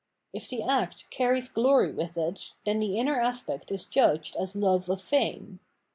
If the act carries glory with it, then the inner aspect is judged as love of fame.